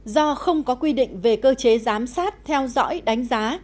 do không có quy định về cơ chế giám sát theo dõi đánh giá